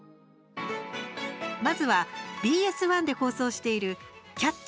まずは、ＢＳ１で放送している「キャッチ！